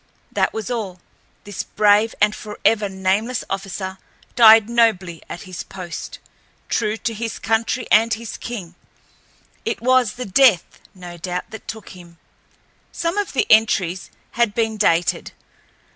That was all. This brave and forever nameless officer died nobly at his post—true to his country and his king. It was the Death, no doubt, that took him. Some of the entries had been dated.